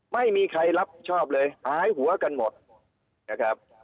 ไม่มีใครรับผิดชอบเลยหายหัวกันหมดนะครับ